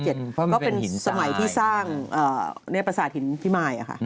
ก็เป็นสมัยที่สร้างในประสาทหินพิมาย